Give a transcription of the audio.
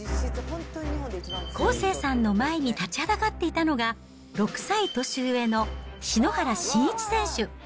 康生さんの前に立ちはだかっていたのが、６歳年上の篠原信一選手。